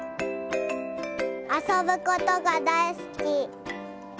あそぶことがだいすき。